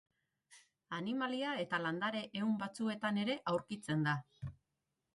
Animalia- eta landare-ehun batzuetan ere aurkitzen da.